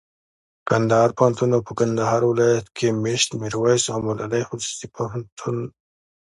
کندهار پوهنتون او په کندهار ولایت کښي مېشت میرویس او ملالي خصوصي پوهنتون